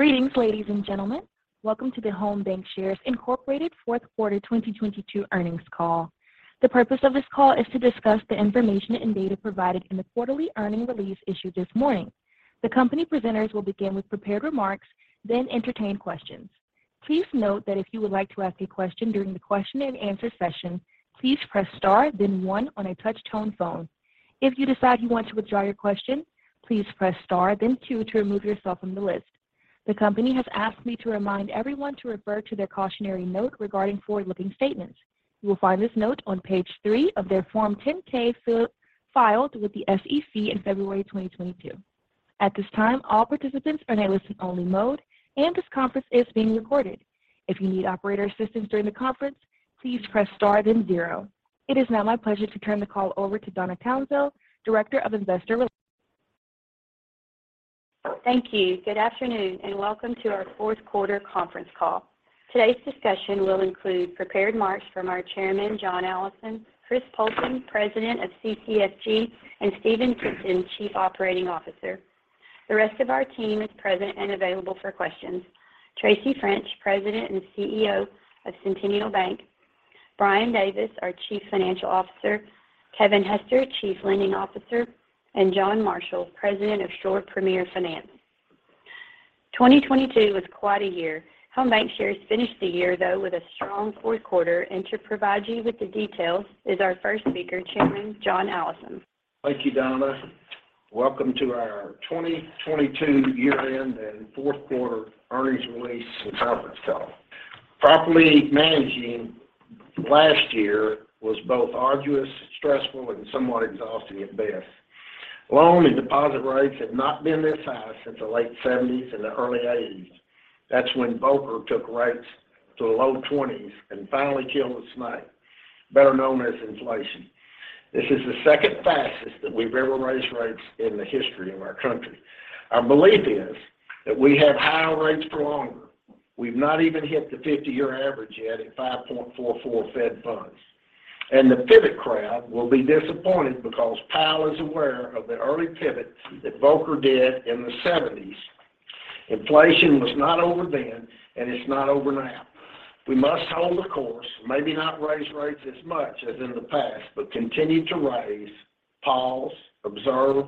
Greetings, ladies and gentlemen. Welcome to The Home Bancshares Incorporated Fourth Quarter 2022 earnings call. The purpose of this call is to discuss the information and data provided in the quarterly earning release issued this morning. The company presenters will begin with prepared remarks, then entertain questions. Please note that if you would like to ask a question during the question and answer session, please press star then one on a touch-tone phone. If you decide you want to withdraw your question, please press star then two to remove yourself from the list. The company has asked me to remind everyone to refer to their cautionary note regarding forward-looking statements. You will find this note on page three of their Form 10-K filed with the SEC in February 2022. At this time, all participants are in a listen-only mode, and this conference is being recorded. If you need operator assistance during the conference, please press star then zero. It is now my pleasure to turn the call over to Donna Townsel, Director of Investor Relations. Thank you. Good afternoon, and welcome to our fourth quarter conference call. Today's discussion will include prepared remarks from our Chairman, John Allison; Chris Poulton, President of CCFG; and Stephen Tipton, Chief Operating Officer. The rest of our team is present and available for questions. Tracy French, President and CEO of Centennial Bank; Brian Davis, our Chief Financial Officer; Kevin Hester, Chief Lending Officer; and John Marshall, President of Shore Premier Finance. 2022 was quite a year. Home BancShares finished the year, though, with a strong fourth quarter, and to provide you with the details is our first speaker, Chairman John Allison. Thank you, Donna. Welcome to our 2022 year-end and fourth quarter earnings release and conference call. Properly managing last year was both arduous, stressful, and somewhat exhausting at best. Loan and deposit rates had not been this high since the late 70s and the early 80s. That's when Volcker took rates to the low 20s and finally killed the snake, better known as inflation. This is the second fastest that we've ever raised rates in the history of our country. Our belief is that we have higher rates for longer. We've not even hit the 50-year average yet at 5.44 Fed funds. The pivot crowd will be disappointed because Powell is aware of the early pivot that Volcker did in the 70s. Inflation was not over then, and it's not over now. We must hold the course, maybe not raise rates as much as in the past, but continue to raise, pause, observe,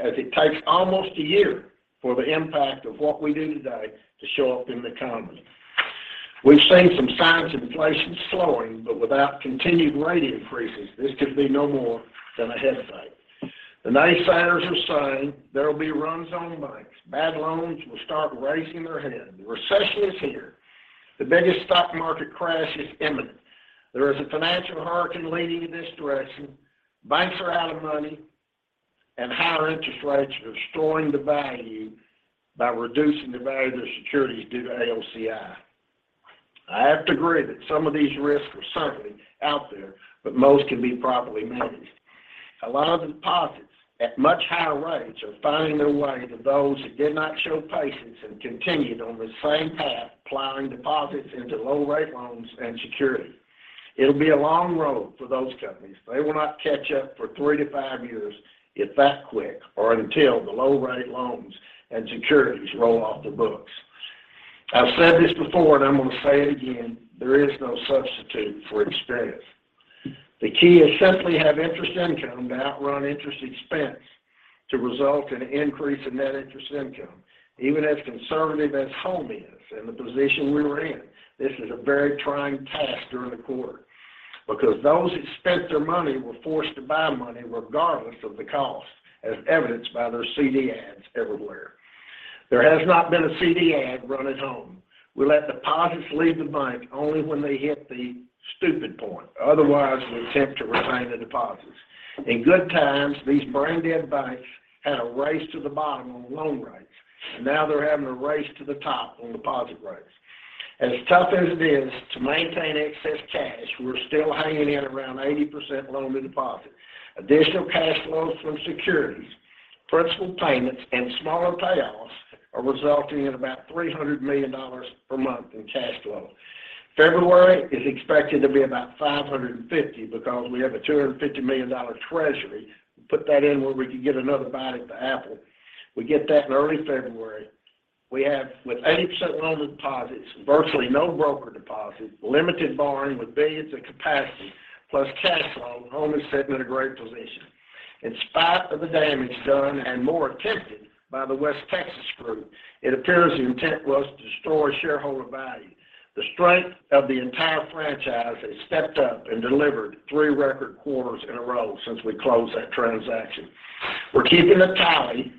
as it takes almost a year for the impact of what we do today to show up in the economy. We've seen some signs of inflation slowing, but without continued rate increases, this could be no more than a head fake. The naysayers are saying there will be runs on banks. Bad loans will start raising their head. The recession is here. The biggest stock market crash is imminent. There is a financial hurricane leading in this direction. Banks are out of money, and higher interest rates are destroying the value by reducing the value of their securities due to AOCI. I have to agree that some of these risks are certainly out there, but most can be properly managed. A lot of deposits at much higher rates are finding their way to those that did not show patience and continued on the same path, plowing deposits into low rate loans and securities. It'll be a long road for those companies. They will not catch up for three to five years if that quick or until the low rate loans and securities roll off the books. I've said this before, and I'm going to say it again, there is no substitute for experience. The key is simply have interest income to outrun interest expense to result in an increase in net interest income. Even as conservative as Home is and the position we were in, this is a very trying task during the quarter because those who spent their money were forced to borrow money regardless of the cost, as evidenced by their CD ads everywhere. There has not been a CD ad run at Home. We let deposits leave the bank only when they hit the stupid point. Otherwise, we attempt to retain the deposits. In good times, these brain-dead banks had a race to the bottom on loan rates. Now they're having a race to the top on deposit rates. As tough as it is to maintain excess cash, we're still hanging in around 80% loan to deposit. Additional cash flows from securities, principal payments, and smaller payoffs are resulting in about $300 million per month in cash flow. February is expected to be about $550 million because we have a $250 million treasury. Put that in where we could get another bite at the apple. We get that in early February. We have, with 80% loan deposits, virtually no broker deposits, limited borrowing with billions of capacity, plus cash flow, Home is sitting in a great position. In spite of the damage done and more attempted by the West Texas group, it appears the intent was to destroy shareholder value. The strength of the entire franchise has stepped up and delivered three record quarters in a row since we closed that transaction. We're keeping a tally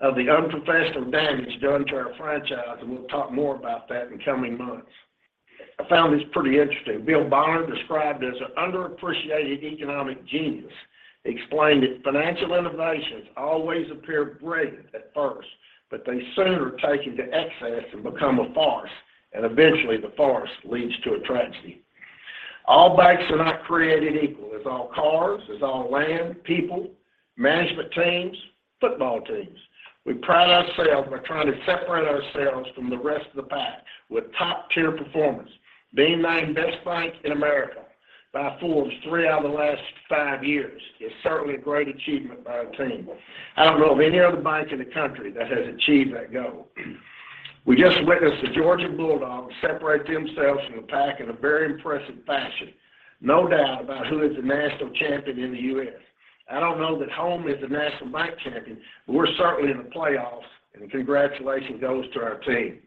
of the unprofessed damage done to our franchise, we'll talk more about that in coming months. I found this pretty interesting. Bill Bonner, described as an underappreciated economic genius, explained that financial innovations always appear brilliant at first, they soon are taken to excess and become a farce, eventually the farce leads to a tragedy. All banks are not created equal. As all cars, as all land, people, management teams, football teams, we pride ourselves by trying to separate ourselves from the rest of the pack with top-tier performance, being named best bank in America. By Forbes three out of the last five years. It's certainly a great achievement by our team. I don't know of any other bank in the country that has achieved that goal. We just witnessed the Georgia Bulldogs separate themselves from the pack in a very impressive fashion. No doubt about who is the national champion in the U.S. I don't know that Home is the national bank champion, but we're certainly in the playoffs, and the congratulations goes to our team.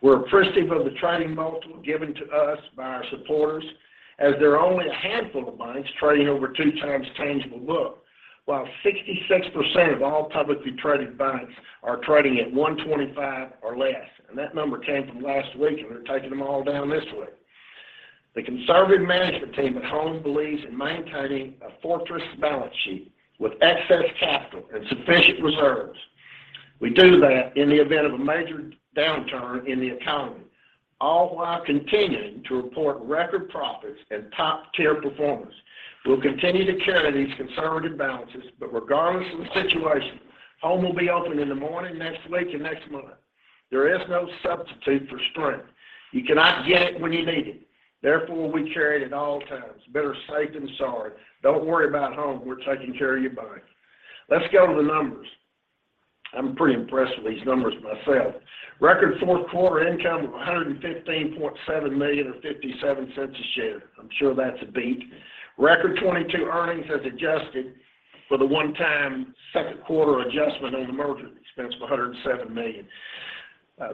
We're appreciative of the trading multiple given to us by our supporters, as there are only a handful of banks trading over 2x tangible book, while 66% of all publicly traded banks are trading at 1.25 or less. That number came from last week. They're taking them all down this way. The conservative management team at Home believes in maintaining a fortress balance sheet with excess capital and sufficient reserves. We do that in the event of a major downturn in the economy, all while continuing to report record profits and top-tier performance. We'll continue to carry these conservative balances. Regardless of the situation, Home will be open in the morning, next week and next month. There is no substitute for strength. You cannot get it when you need it. Therefore, we carry it at all times. Better safe than sorry. Don't worry about Home. We're taking care of your bank. Let's go to the numbers. I'm pretty impressed with these numbers myself. Record fourth quarter income of $115.7 million, or $0.57 a share. I'm sure that's a beat. Record 2022 earnings as adjusted for the one-time second quarter adjustment on the merger expense of $107 million.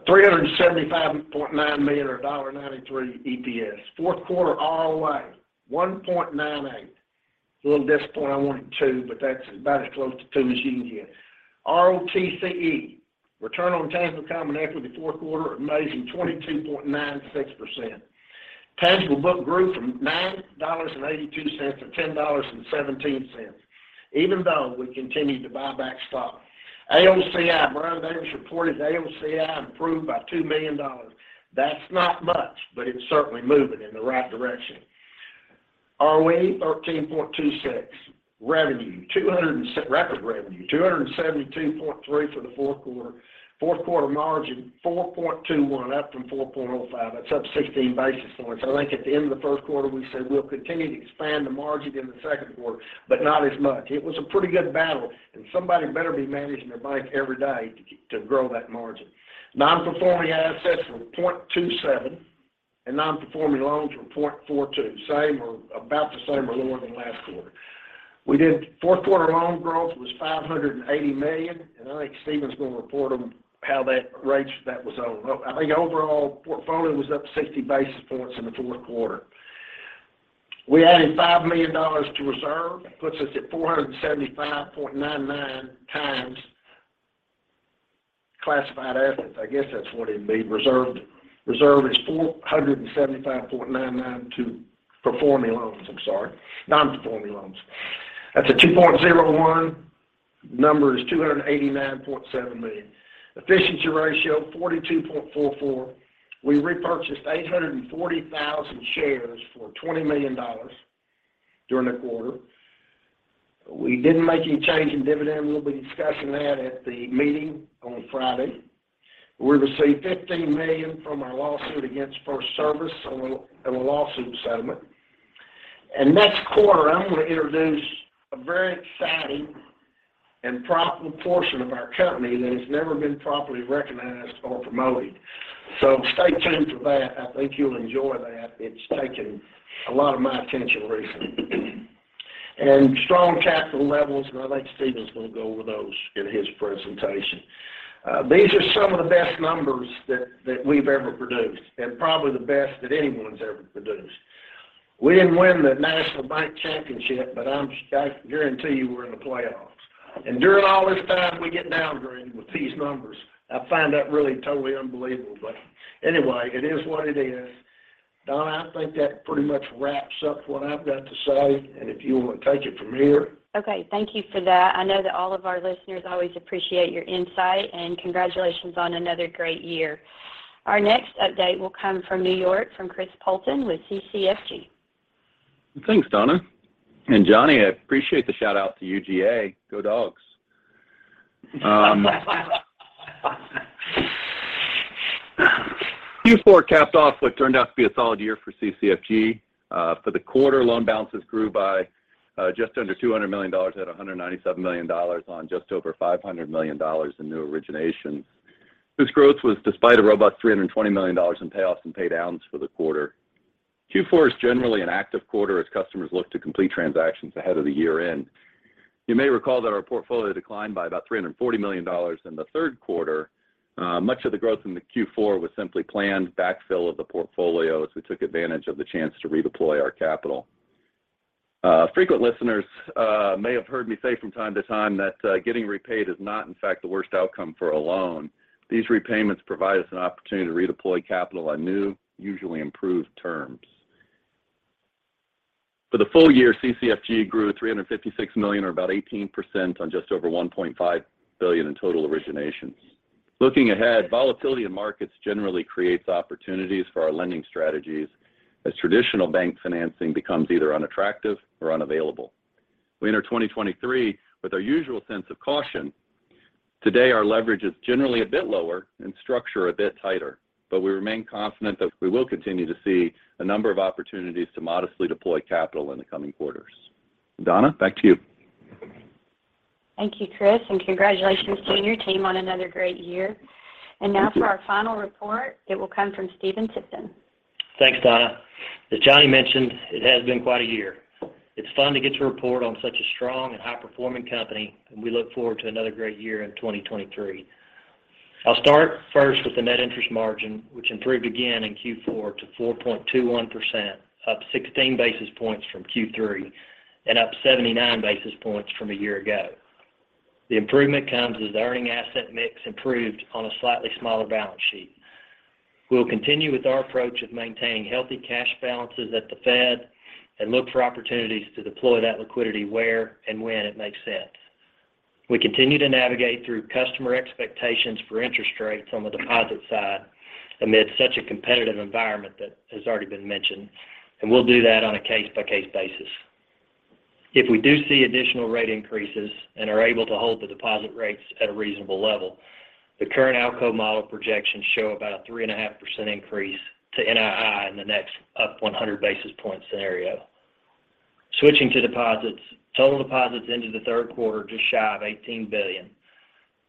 $375.9 million, or $1.93 EPS. Fourth quarter ROA, 1.98%. A little disappointing. I wanted two, but that's about as close to two as you can get. ROTCE, return on tangible common equity, fourth quarter, amazing, 22.96%. Tangible book grew from $9.82-$10.17, even though we continued to buy back stock. AOCI, [inaudible] reported AOCI improved by $2 million. That's not much, but it's certainly moving in the right direction. ROE, 13.26%. Revenue, record revenue, $272.3 for the fourth quarter. Fourth quarter margin, 4.21%, up from 4.05%. That's up 16 basis points. I think at the end of the first quarter, we said we'll continue to expand the margin in the second quarter, but not as much. It was a pretty good battle, somebody better be managing their bank every day to grow that margin. Non-performing assets were 0.27%, non-performing loans were 0.42%, same or about the same or lower than last quarter. Fourth quarter loan growth was $580 million, I think Stephen's gonna report on how that ratio that was on. I think overall portfolio was up 60 basis points in the fourth quarter. We added $5 million to reserve. That puts us at 475.99 times classified assets. I guess that's what it'd be. Reserved, reserve is 475.99 to performing loans, I'm sorry, non-performing loans. That's a 2.01. Number is $289.7 million. Efficiency ratio, 42.44%. We repurchased 840,000 shares for $20 million during the quarter. We didn't make any change in dividend. We'll be discussing that at the meeting on Friday. We received $15 million from our lawsuit against First Service on a lawsuit settlement. Next quarter, I'm gonna introduce a very exciting and profitable portion of our company that has never been properly recognized or promoted. Stay tuned for that. I think you'll enjoy that. It's taken a lot of my attention recently. Strong capital levels, and I think Stephen's gonna go over those in his presentation. These are some of the best numbers that we've ever produced, and probably the best that anyone's ever produced. We didn't win the national bank championship, but I can guarantee you we're in the playoffs. During all this time, we get downgraded with these numbers. I find that really totally unbelievable. Anyway, it is what it is. Donna, I think that pretty much wraps up what I've got to say. If you wanna take it from here. Okay. Thank you for that. I know that all of our listeners always appreciate your insight. Congratulations on another great year. Our next update will come from New York, from Chris Poulton with CCFG. Thanks, Donna. Johnny, I appreciate the shout-out to UGA. Go Dawgs. Q4 capped off what turned out to be a solid year for CCFG. For the quarter, loan balances grew by just under $200 million at $197 million on just over $500 million in new originations. This growth was despite a robust $320 million in payoffs and pay downs for the quarter. Q4 is generally an active quarter as customers look to complete transactions ahead of the year-end. You may recall that our portfolio declined by about $340 million in the third quarter. Much of the growth in the Q4 was simply planned backfill of the portfolio as we took advantage of the chance to redeploy our capital. Frequent listeners may have heard me say from time to time that getting repaid is not, in fact, the worst outcome for a loan. These repayments provide us an opportunity to redeploy capital on new, usually improved terms. For the full year, CCFG grew $356 million, or about 18%, on just over $1.5 billion in total originations. Looking ahead, volatility in markets generally creates opportunities for our lending strategies as traditional bank financing becomes either unattractive or unavailable. We enter 2023 with our usual sense of caution. Today, our leverage is generally a bit lower and structure a bit tighter, but we remain confident that we will continue to see a number of opportunities to modestly deploy capital in the coming quarters. Donna, back to you. Thank you, Chris, and congratulations to you and your team on another great year. Thank you. Now for our final report, it will come from Stephen Tipton. Thanks, Donna. As Johnny mentioned, it has been quite a year. It's fun to get to report on such a strong and high-performing company. We look forward to another great year in 2023. I'll start first with the net interest margin, which improved again in Q4 to 4.21%, up 16 basis points from Q3 and up 79 basis points from a year ago. The improvement comes as the earning asset mix improved on a slightly smaller balance sheet. We'll continue with our approach of maintaining healthy cash balances at the Fed and look for opportunities to deploy that liquidity where and when it makes sense. We continue to navigate through customer expectations for interest rates on the deposit side amid such a competitive environment that has already been mentioned. We'll do that on a case-by-case basis. If we do see additional rate increases and are able to hold the deposit rates at a reasonable level, the current ALCO model projections show about a 3.5% increase to NII in the next up 100 basis point scenario. Switching to deposits, total deposits into the 3rd quarter just shy of $18 billion.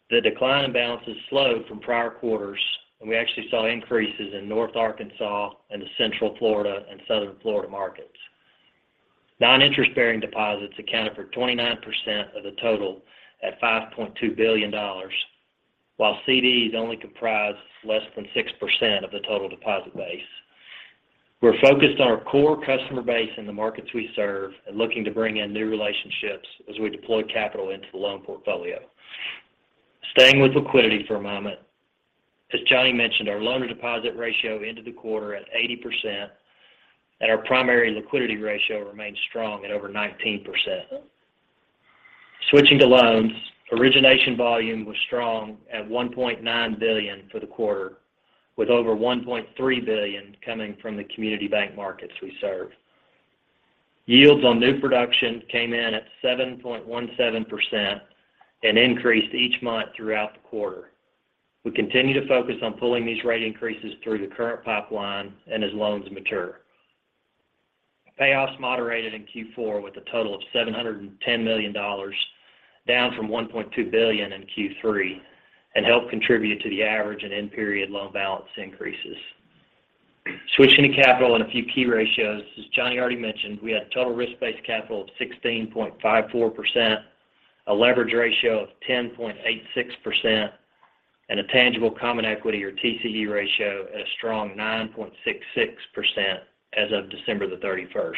The decline in balances slowed from prior quarters, and we actually saw increases in North Arkansas and the Central Florida and Southern Florida markets. Non-interest-bearing deposits accounted for 29% of the total at $5.2 billion, while CDs only comprise less than 6% of the total deposit base. We're focused on our core customer base in the markets we serve and looking to bring in new relationships as we deploy capital into the loan portfolio. Staying with liquidity for a moment, as Johnny mentioned, our loan-to-deposit ratio ended the quarter at 80%, and our primary liquidity ratio remains strong at over 19%. Switching to loans, origination volume was strong at $1.9 billion for the quarter, with over $1.3 billion coming from the community bank markets we serve. Yields on new production came in at 7.17% and increased each month throughout the quarter. We continue to focus on pulling these rate increases through the current pipeline and as loans mature. Payoffs moderated in Q4 with a total of $710 million, down from $1.2 billion in Q3, and helped contribute to the average and end-period loan balance increases. Switching to capital and a few key ratios, as Johnny already mentioned, we had total risk-based capital of 16.54%, a leverage ratio of 10.86%, and a tangible common equity or TCE ratio at a strong 9.66% as of December 31st.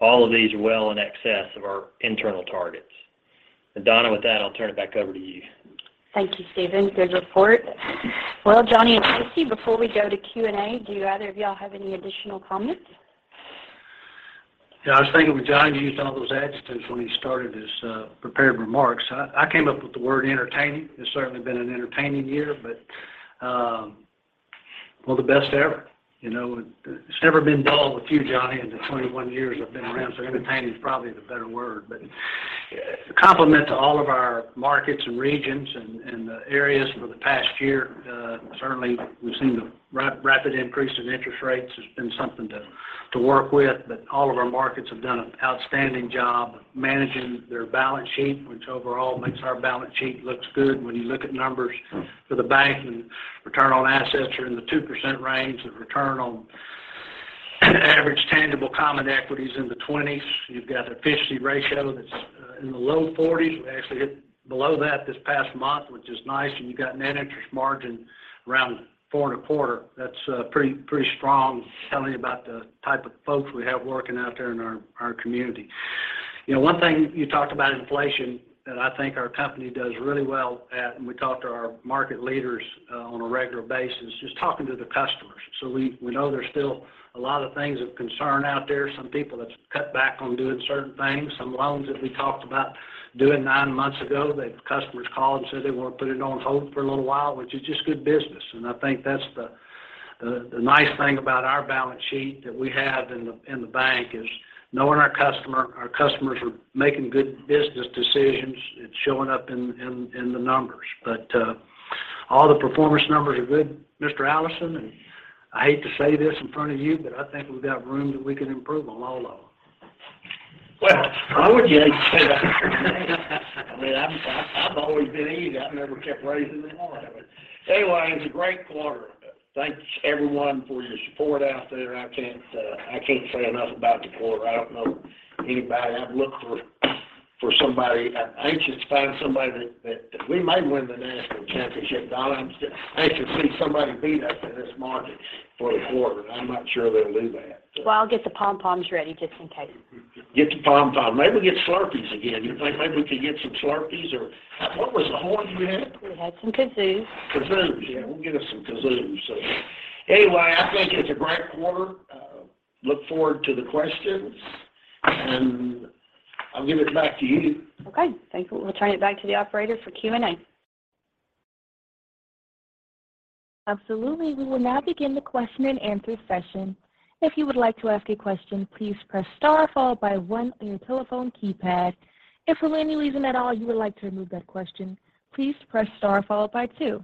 All of these are well in excess of our internal targets. Donna, with that, I'll turn it back over to you. Thank you, Stephen. Good report. Well, Johnny and Trcy, before we go to Q&A, do either of y'all have any additional comments? Yeah, I was thinking when Johnny used all those adjectives when he started his prepared remarks, I came up with the word entertaining. It's certainly been an entertaining year, well, the best ever. You know, it's never been dull with you, Johnny, in the 21 years I've been around, so entertaining is probably the better word. A compliment to all of our markets and regions and the areas for the past year. Certainly, we've seen the rapid increase in interest rates has been something to work with. All of our markets have done an outstanding job managing their balance sheet, which overall makes our balance sheet looks good when you look at numbers for the bank and return on assets are in the 2% range. The return on average tangible common equity is in the 20s. You've got efficiency ratio that's in the low 40s. We actually hit below that this past month, which is nice. You got net interest margin around 4.25%. That's pretty strong telling about the type of folks we have working out there in our community. You know, one thing you talked about inflation that I think our company does really well at, and we talk to our market leaders on a regular basis, just talking to the customers. We know there's still a lot of things of concern out there, some people have cut back on doing certain things. Some loans that we talked about doing nine months ago that customers called and said they want to put it on hold for a little while, which is just good business. I think that's the nice thing about our balance sheet that we have in the bank is knowing our customer, our customers are making good business decisions. It's showing up in the numbers. All the performance numbers are good, Mr. Allison, and I hate to say this in front of you, but I think we've got room that we can improve on all of them. Well, why would you hate to say that? I mean, I've always been easy. I've never kept raising the bar. Anyway, it's a great quarter. Thanks, everyone, for your support out there. I can't say enough about the quarter. I don't know anybody I'd look for somebody. I'm anxious to find somebody that we may win the national championship, Donna. I'm just anxious to see somebody beat us in this market for the quarter, and I'm not sure they'll do that. Well, I'll get the pom-poms ready just in case. Get the pom-pom. Maybe we'll get Slurpee again. You think maybe we can get some Slurpee? What was the horn you had? We had some kazoos. Kazoos. Yeah, we'll get us some kazoos. Anyway, I think it's a great quarter. Look forward to the questions, and I'll give it back to you. Okay. Thank you. We'll turn it back to the operator for Q&A. Absolutely. We will now begin the question and answer session. If you would like to ask a question, please press star followed by one on your telephone keypad. If for any reason at all you would like to remove that question, please press star followed by two.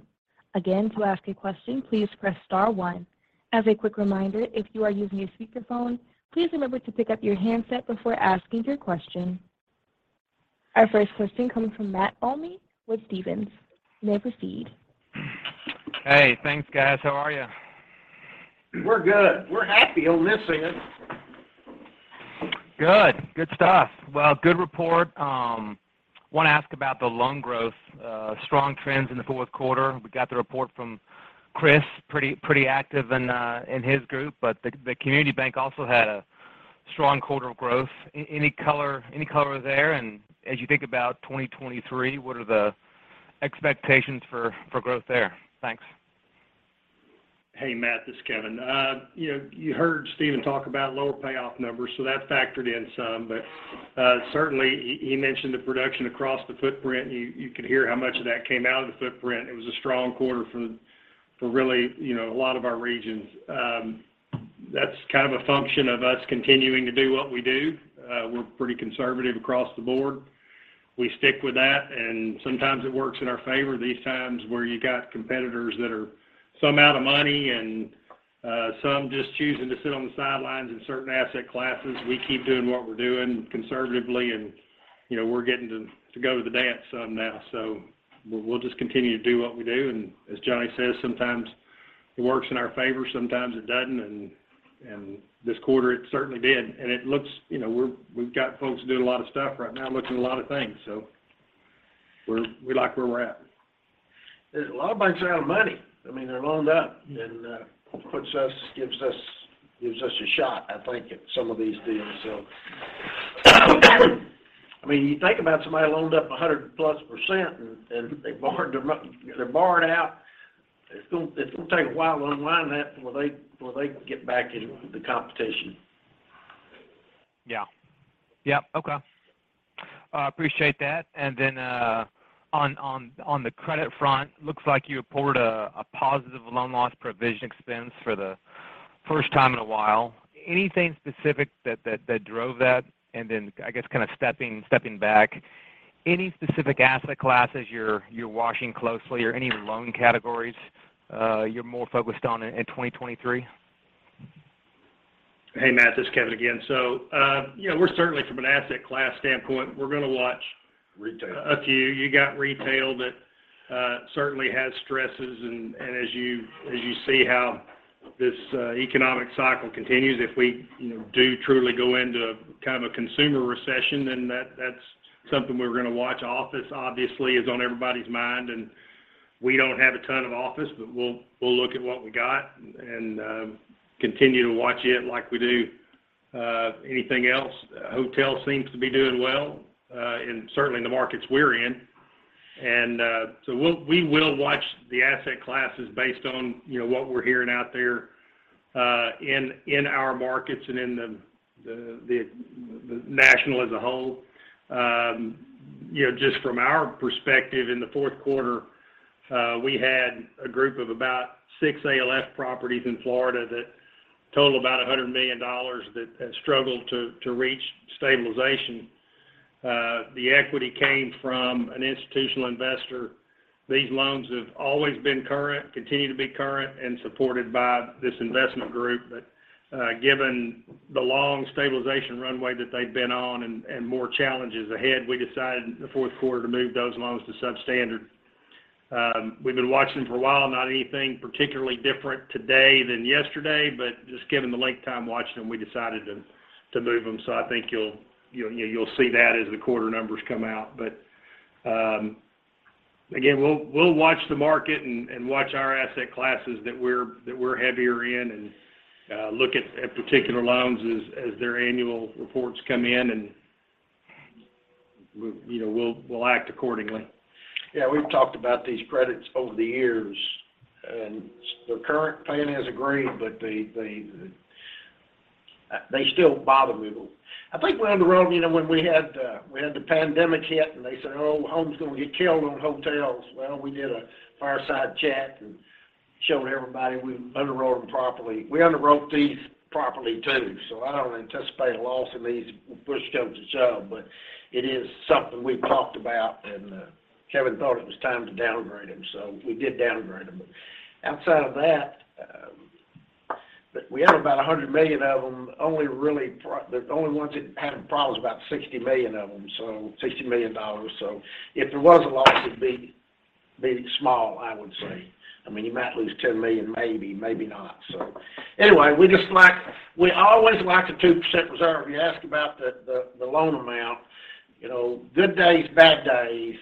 Again, to ask a question, please press star one. As a quick reminder, if you are using a speakerphone, please remember to pick up your handset before asking your question. Our first question comes from Matt Olney with Stephens. You may proceed. Hey, thanks, guys. How are you? We're good. We're happy on this end. Good. Good stuff. Well, good report. Want to ask about the loan growth, strong trends in the fourth quarter. We got the report from Chris pretty active in his group, but the community bank also had a strong quarter of growth. Any color there? As you think about 2023, what are the expectations for growth there? Thanks. Hey, Matt, this is Kevin. you know, you heard Stephen talk about lower payoff numbers, so that factored in some. Certainly he mentioned the production across the footprint. You could hear how much of that came out of the footprint. It was a strong quarter for really, you know, a lot of our regions. That's kind of a function of us continuing to do what we do. We're pretty conservative across the board. We stick with that, and sometimes it works in our favor these times where you got competitors that are some out of money and some just choosing to sit on the sidelines in certain asset classes. We keep doing what we're doing conservatively and, you know, we're getting to go to the dance some now. We'll just continue to do what we do. As Johnny says, sometimes it works in our favor, sometimes it doesn't, and this quarter it certainly did. It looks, you know, we've got folks doing a lot of stuff right now, looking at a lot of things. We're, we like where we're at. A lot of banks are out of money. I mean, they're loaned up, and gives us a shot, I think, at some of these deals, so. I mean, you think about somebody loaned up 100%+ and they're borrowed out. It's gonna take a while to unwind that before they, before they can get back in the competition. Yeah. Yep. Okay. I appreciate that. On the credit front, looks like you reported a positive loan loss provision expense for the first time in a while. Anything specific that drove that? I guess kind of stepping back, any specific asset classes you're watching closely or any loan categories, you're more focused on in 2023? Hey, Matt, this is Kevin again. You know, we're certainly from an asset class standpoint, we're going to watch- a few. Retail. You got retail that certainly has stresses and as you see how this economic cycle continues, if we, you know, do truly go into kind of a consumer recession, then that's something we're going to watch. Office obviously is on everybody's mind, and we don't have a ton of office, but we'll look at what we got and continue to watch it like we do anything else. Hotel seems to be doing well in certainly in the markets we're in. So we will watch the asset classes based on, you know, what we're hearing out there in our markets and in the national as a whole. You know, just from our perspective in the fourth quarter, we had a group of about six ALF properties in Florida that total about $100 million that has struggled to reach stabilization. The equity came from an institutional investor. These loans have always been current, continue to be current, and supported by this investment group. Given the long stabilization runway that they've been on and more challenges ahead, we decided in the fourth quarter to move those loans to substandard. We've been watching them for a while. Not anything particularly different today than yesterday, but just given the length time watching them, we decided to move them. I think you'll see that as the quarter numbers come out. Again, we'll watch the market and watch our asset classes that we're heavier in and look at particular loans as their annual reports come in, and you know, we'll act accordingly. Yeah, we've talked about these credits over the years, and their current plan has agreed, but they still bother me a little. I think we underwrote them, you know, when we had the pandemic hit, and they said, "Oh, Home's going to get killed on hotels." Well, we did a fireside chat and showed everybody we underwrote them properly. We underwrote these properly too, so I don't anticipate a loss in these if push comes to shove. It is something we've talked about, and Kevin thought it was time to downgrade them, so we did downgrade them. Outside of that, we had about $100 million of them. Only really the only ones that had a problem was about $60 million of them, so $60 million. If there was a loss, it'd be small, I would say. I mean, you might lose $10 million maybe not. Anyway, we always like the 2% reserve. You ask about the loan amount, you know, good days, bad days,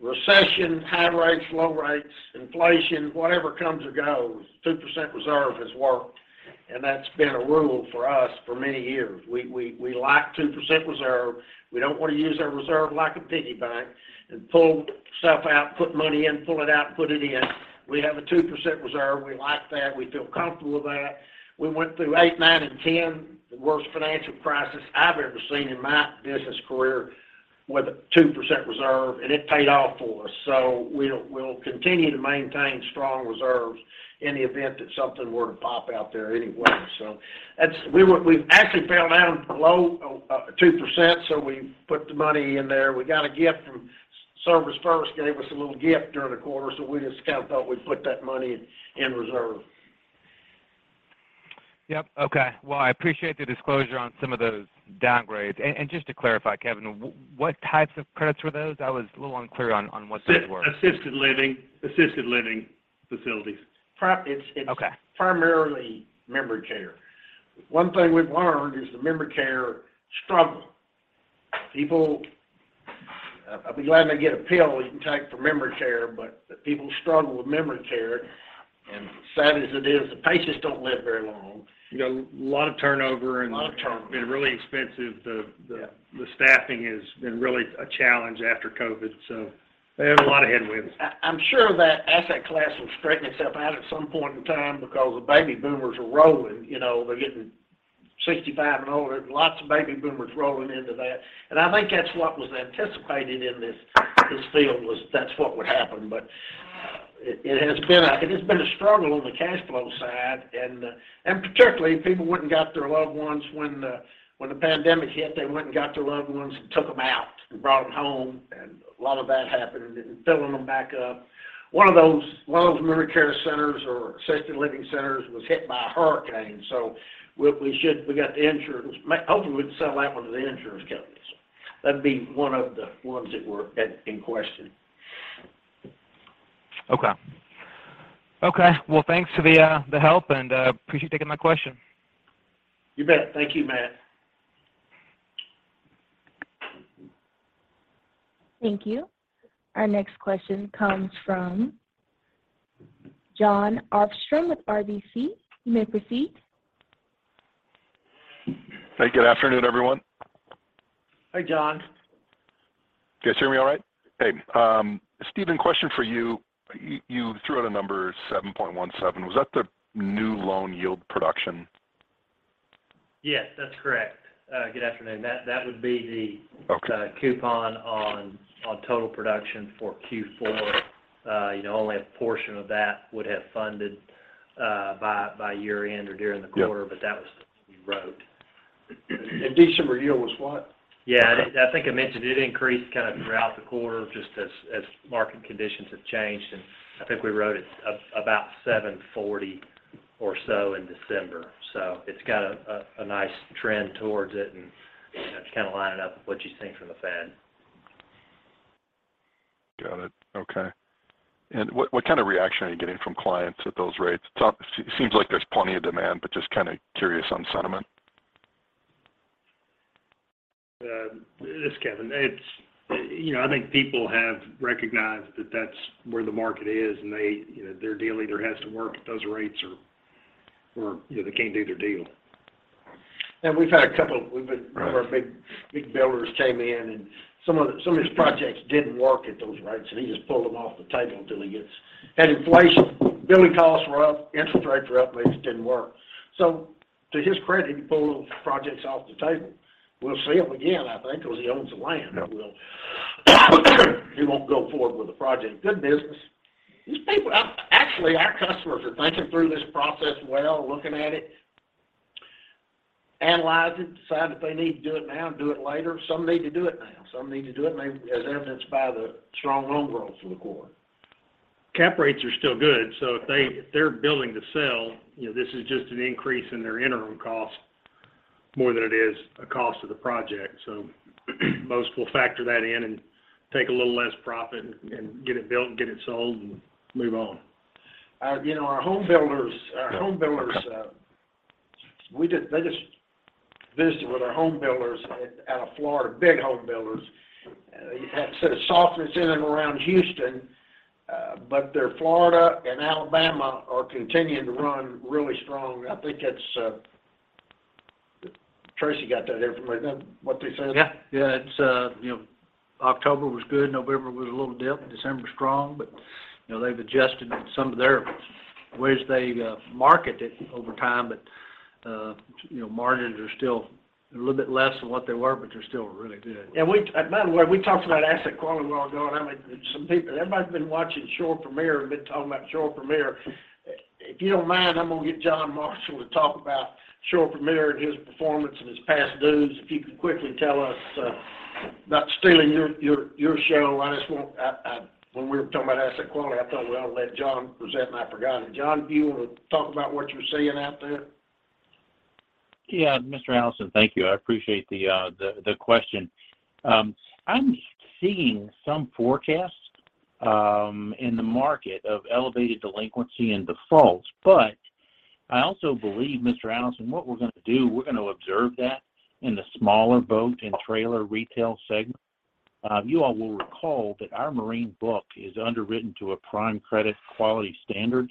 recession, high rates, low rates, inflation, whatever comes or goes, 2% reserve has worked. That's been a rule for us for many years. We like 2% reserve. We don't want to use our reserve like a piggy bank and pull stuff out, put money in, pull it out, put it in. We have a 2% reserve. We like that. We feel comfortable with that. We went through 2008, 2009 and 2010, the worst financial crisis I've ever seen in my business career. With a 2% reserve, it paid off for us. We'll continue to maintain strong reserves in the event that something were to pop out there anyway. That's. We've actually fell down below 2%, so we put the money in there. We got a gift from ServisFirst gave us a little gift during the quarter, so we just kind of thought we'd put that money in reserve. Yep. Okay. Well, I appreciate the disclosure on some of those downgrades. Just to clarify, Kevin, what types of credits were those? I was a little unclear on what those were. Assisted living facilities. Okay It's primarily memory care. One thing we've learned is the memory care struggle. People I'd be glad when they get a pill you can take for memory care, but people struggle with memory care. Sad as it is, the patients don't live very long. You got a lot of turnover. A lot of turnover been really expensive. The staffing has been really a challenge after COVID, so they have a lot of headwinds. I'm sure that asset class will straighten itself out at some point in time because the baby boomers are rolling. You know, they're getting 65 and older. Lots of baby boomers rolling into that. I think that's what was anticipated in this field was that's what would happen. It has been a struggle on the cash flow side. Particularly people went and got their loved ones when the pandemic hit, they went and got their loved ones and took them out and brought them home. A lot of that happened, and filling them back up. One of those, one of those memory care centers or assisted living centers was hit by a hurricane. We got the insurance. Hopefully, we can sell that one to the insurance company. That would be one of the ones that were in question. Okay. Okay. Well, thanks for the help, and appreciate you taking my question. You bet. Thank you, Matt. Thank you. Our next question comes from Jon Arfstrom with RBC. You may proceed. Hey, good afternoon, everyone. Hi, Jon. Can you guys hear me all right? Hey, Stephen, question for you. You threw out a number 7.17%. Was that the new loan yield production? Yes, that's correct. Good afternoon. Okay That would be coupon on total production for Q4. you know, only a portion of that would have funded by year-end or during the quarter. Yeah That was what we wrote. [inaudible] yield was what? Yeah, I think I mentioned it increased kind of throughout the quarter just as market conditions have changed. I think we wrote it about 740 or so in December. It's got a nice trend towards it, and, you know, it's kind of lining up with what you're seeing from the Fed. Got it. Okay. What kind of reaction are you getting from clients at those rates? It seems like there's plenty of demand, but just kind of curious on sentiment. This is Kevin. You know, I think people have recognized that that's where the market is, and you know, their deal either has to work at those rates or, you know, they can't do their deal. We've had a couple. One of our big builders came in, and some of his projects didn't work at those rates, and he just pulled them off the table until he gets... Had inflation, building costs were up, interest rates were up, and it just didn't work. To his credit, he pulled those projects off the table. We'll see him again, I think, because he owns the land. Yep. He won't go forward with the project. Good business. These people actually, our customers are thinking through this process well, looking at it, analyze it, decide if they need to do it now, do it later. Some need to do it now. Some need to do it maybe as evidenced by the strong home growth for the quarter. Cap rates are still good, if they're building to sell, you know, this is just an increase in their interim cost more than it is a cost of the project. Most will factor that in and take a little less profit and get it built, and get it sold, and move on. You know, our home builders, I just visited with our home builders out of Florida, big home builders. They had said a softness in and around Houston. Their Florida and Alabama are continuing to run really strong. I think that's Tracy got that information. Is that what they said? Yeah. Yeah. It's, you know, October was good, November was a little dip, December strong. You know, they've adjusted some of their ways they market it over time. You know, margins are still a little bit less than what they were. They're still really good. By the way, we talked about asset quality a while ago, and I mean, everybody's been watching Shore Premier and been talking about Shore Premier. If you don't mind, I'm going to get John Marshall to talk about Shore Premier and his performance and his past dues. If you could quickly tell us, not stealing your show. I, when we were talking about asset quality, I thought, well, let John present, and I forgot it. John, do you want to talk about what you're seeing out there? Yeah. Mr. Allison, thank you. I appreciate the question. I'm seeing some forecasts in the market of elevated delinquency and defaults. I also believe, Mr. Allison, what we're gonna do, we're gonna observe that in the smaller boat and trailer retail segment. You all will recall that our marine book is underwritten to a prime credit quality standard.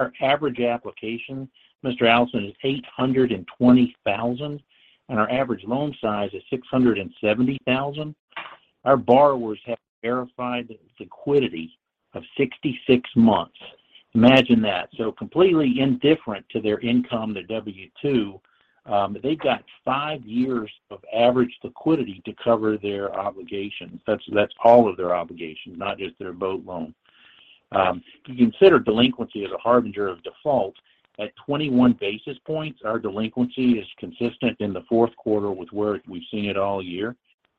Our average application, Mr. Allison, is $820,000, and our average loan size is $670,000. Our borrowers have verified the liquidity of 66 months. Imagine that. Completely indifferent to their income, their W-2They've got 5 years of average liquidity to cover their obligations. That's all of their obligations, not just their boat loan. If you consider delinquency as a harbinger of default, at 21 basis points, our delinquency is consistent in the fourth quarter with where we've seen it all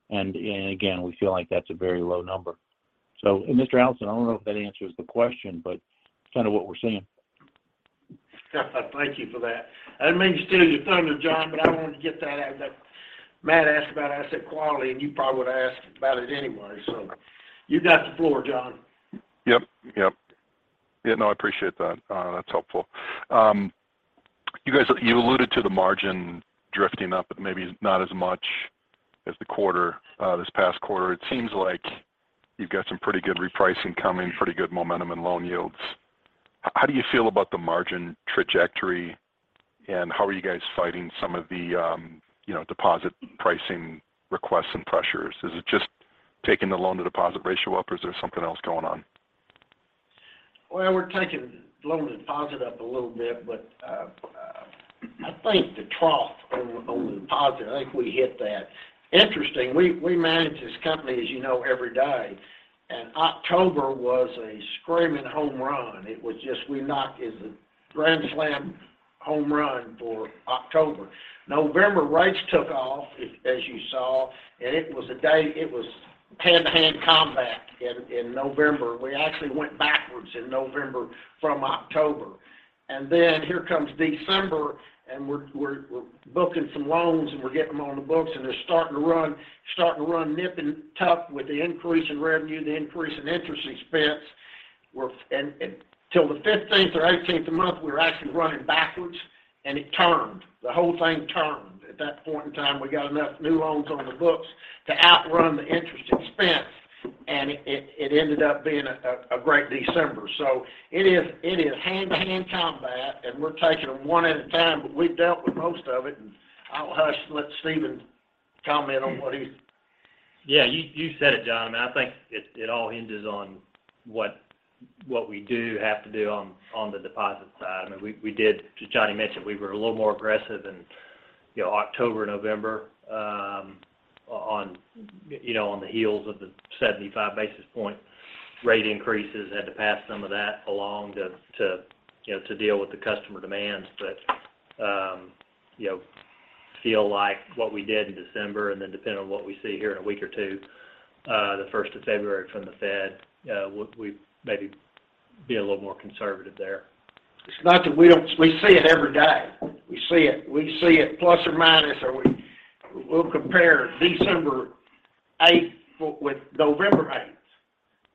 year. Again, we feel like that's a very low number. Mr. Allison, I don't know if that answers the question, but it's kind of what we're seeing. Thank you for that. I didn't mean to steal your thunder, John. I wanted to get that out. Matt asked about asset quality. You probably would've asked about it anyway. You've got the floor, Jon. Yep. Yep. Yeah, no, I appreciate that. That's helpful. You guys, you alluded to the margin drifting up, but maybe not as much as the quarter, this past quarter. It seems like you've got some pretty good repricing coming, pretty good momentum in loan yields. How do you feel about the margin trajectory, and how are you guys fighting some of the, you know, deposit pricing requests and pressures? Is it just taking the loan-to-deposit ratio up, or is there something else going on? Well, we're taking loan-to-deposit up a little bit, I think the trough on the deposit, I think we hit that. Interesting, we manage this company, as you know, every day, October was a screaming home run. It was just we knocked It was a grand slam home run for October. November, rates took off as you saw, it was hand-to-hand combat in November. We actually went backwards in November from October. Here comes December, we're booking some loans, we're getting them on the books, they're starting to run nip and tuck with the increase in revenue, the increase in interest expense. Till the 15th or 18th a month, we were actually running backwards, the whole thing turned. At that point in time, we got enough new loans on the books to outrun the interest expense, and it ended up being a great December. It is hand-to-hand combat, and we're taking them one at a time, but we've dealt with most of it. I'll hush and let Stephen comment on what he. Yeah, you said it, John. I mean, I think it all hinges on what we do have to do on the deposit side. I mean, we did, as Johnny mentioned, we were a little more aggressive in, you know, October, November, on, you know, on the heels of the 75 basis point rate increases. Had to pass some of that along to, you know, to deal with the customer demands. You know, feel like what we did in December, and then depending on what we see here in a week or two, the first of February from the Fed, we maybe be a little more conservative there. It's not that we see it every day. We see it. We see it plus or minus, or we'll compare December eighth with November eighth,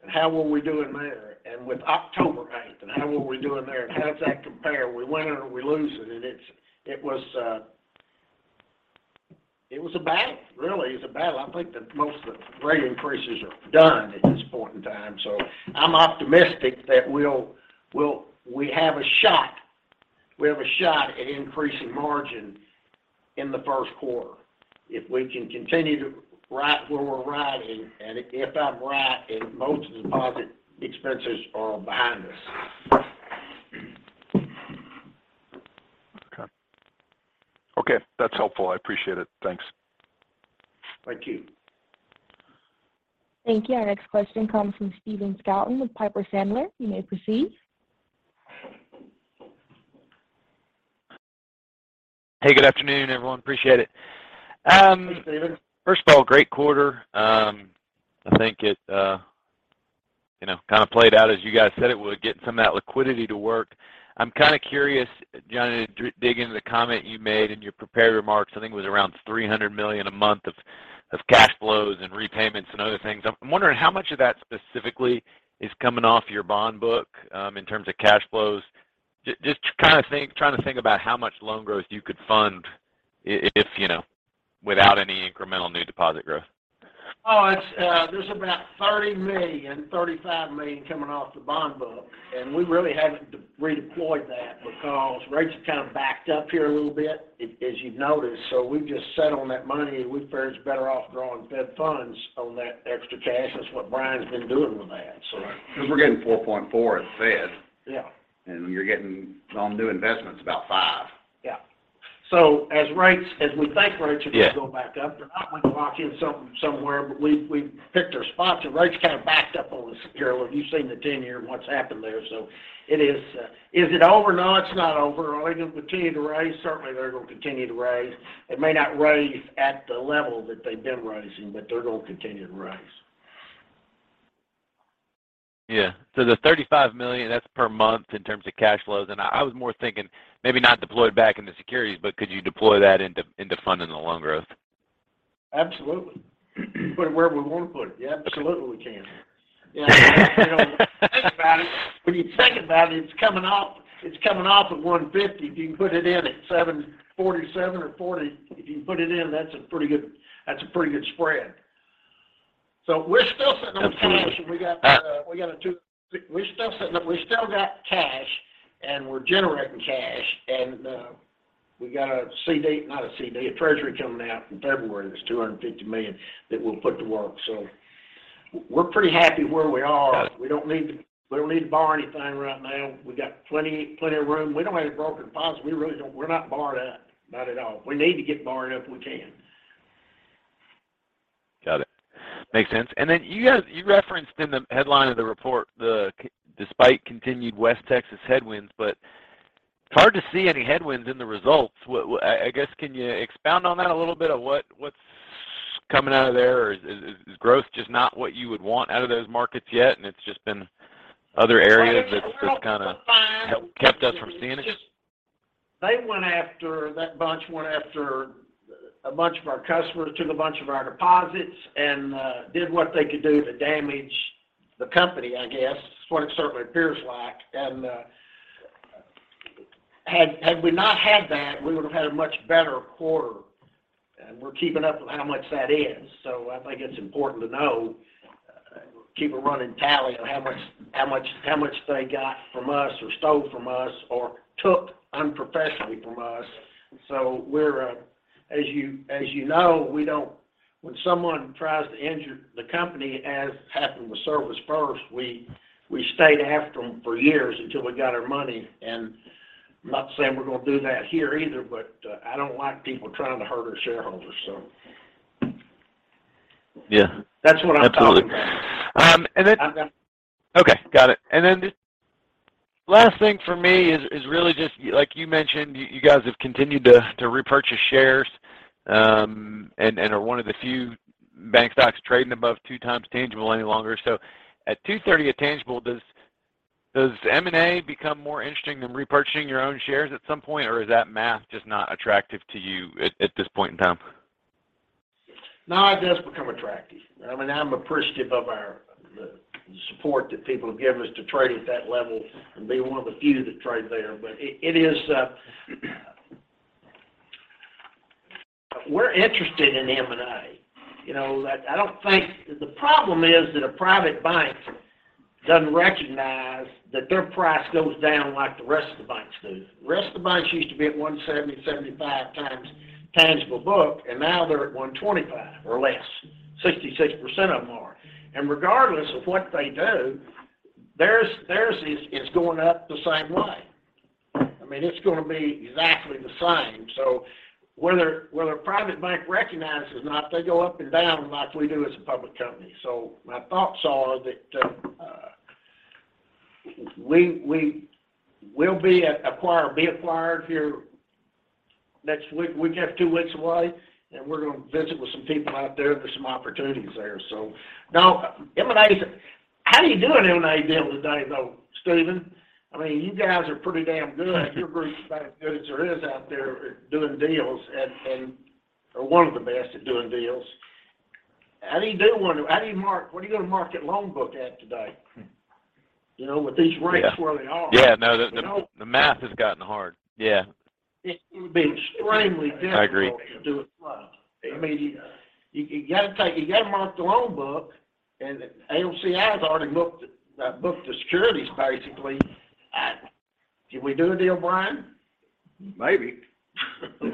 and how well we're doing there, and with October eighth, and how well we're doing there. How does that compare? Are we winning or are we losing? It was a battle, really. It's a battle. I think that most of the rate increases are done at this point in time. I'm optimistic that we'll have a shot. We have a shot at increasing margin in the first quarter if we can continue to ride where we're riding, and if I'm right, and most of the deposit expenses are behind us. Okay. Okay. That's helpful. I appreciate it. Thanks. Thank you. Thank you. Our next question comes from Stephen Scouten with Piper Sandler. You may proceed. Hey, good afternoon, everyone. Appreciate it. Hey, Stephen. First of all, great quarter. I think it, you know, kind of played out as you guys said it would, getting some of that liquidity to work. I'm kind of curious, John, to dig into the comment you made in your prepared remarks. I think it was around $300 million a month of cash flows and repayments and other things. I'm wondering how much of that specifically is coming off your bond book, in terms of cash flows? Just kind of trying to think about how much loan growth you could fund if, you know, without any incremental new deposit growth. There's about $30 million, $35 million coming off the bond book, we really haven't de-redeployed that because rates are kind of backed up here a little bit, as you've noticed. We've just sat on that money. We're probably better off growing fed funds on that extra cash. That's what Brian's been doing with that. Right. Because we're getting 4.4% at the Fed. Yeah. You're getting on new investments about five. Yeah. As we think rates are going to go back up, they're not going to lock in somewhere, but we picked our spots, and rates kind of backed up on the securities. You've seen the 10-year and what's happened there. It is. Is it over? No, it's not over. Are they going to continue to raise? Certainly, they're going to continue to raise. It may not raise at the level that they've been raising, but they're going to continue to raise. Yeah. The $35 million, that's per month in terms of cash flows. I was more thinking maybe not deployed back in the securities, but could you deploy that into funding the loan growth? Absolutely. We can put it wherever we want to put it. Yeah, absolutely we can. You know, when you think about it, when you think about it's coming off at 150. If you can put it in at 747 or 40, if you can put it in, that's a pretty good spread. We're still sitting on some cash. We still got cash, and we're generating cash. We got a CD, not a CD, a treasury coming out in February that's $250 million that we'll put to work. We're pretty happy where we are. Got it. We don't need to borrow anything right now. We got plenty of room. We don't have any broken deposits. We really don't. We're not borrowed up, not at all. We need to get borrowed up, we can. Got it. Makes sense. Then you guys, you referenced in the headline of the report despite continued West Texas headwinds, it's hard to see any headwinds in the results. I guess, can you expound on that a little bit of what's coming out of there? Is growth just not what you would want out of those markets yet, it's just been other areas that's just kind of helped kept us from seeing it? They went after that bunch went after a bunch of our customers, took a bunch of our deposits, and did what they could do to damage the company, I guess. That's what it certainly appears like. Had we not had that, we would have had a much better quarter. We're keeping up with how much that is. I think it's important to know, keep a running tally on how much they got from us or stole from us or took unprofessionally from us. We're as you know, we don't when someone tries to injure the company, as happened with ServisFirst, we stayed after them for years until we got our money. I'm not saying we're gonna do that here either, but I don't like people trying to hurt our shareholders. Yeah. That's what I'm talking about. Absolutely. I'm done. Okay, got it. The last thing for me is really just, like you mentioned, you guys have continued to repurchase shares and are one of the few bank stocks trading above 2x tangible any longer. At 2.30x at tangible, does M&A become more interesting than repurchasing your own shares at some point? Is that math just not attractive to you at this point in time? It does beco me attractive. I mean, I'm appreciative of the support that people have given us to trade at that level and be one of the few to trade there. It is, we're interested in M&A. You know, I don't think. The problem is that a private bank doesn't recognize that their price goes down like the rest of the banks do. The rest of the banks used to be at 1.70x to 1.75x tangible book, and now they're at 1.25x or less. 66% of them are. Regardless of what they do, theirs is going up the same way. I mean, it's going to be exactly the same. Whether a private bank recognizes or not, they go up and down like we do as a public company. My thoughts are that we will be acquired here next week. We have two weeks away, and we're going to visit with some people out there. There's some opportunities there. Now M&A is. How do you do an M&A deal today, though, Stephen? I mean, you guys are pretty damn good. You're a great bank good as there is out there at doing deals and are one of the best at doing deals. How do you do one? How do you mark what are you going to mark your loan book at today? You know, with these rates where they are. Yeah. Yeah. the, the math has gotten hard. Yeah. It would be extremely difficult. I agree. To do it plus. I mean, you got to mark the loan book, and ACLCI has already booked the securities, basically. Can we do a deal, Brian? Maybe. I'm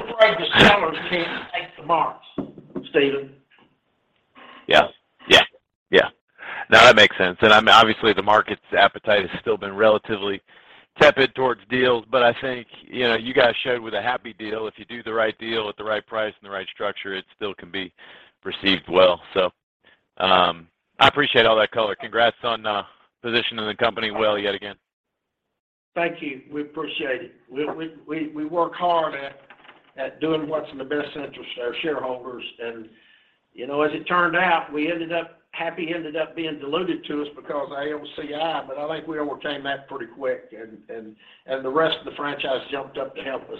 afraid the sellers can't take the marks, Stephen. Yeah. Yeah. Yeah. No, that makes sense. I mean, obviously, the market's appetite has still been relatively tepid towards deals. I think, you know, you guys showed with a Happy deal, if you do the right deal at the right price and the right structure, it still can be perceived well. I appreciate all that color. Congrats on positioning the company well yet again. Thank you. We appreciate it. We work hard at doing what's in the best interest of our shareholders. you know, as it turned out, Happy ended up being diluted to us because of ACLCI, but I think we overcame that pretty quick. The rest of the franchise jumped up to help us.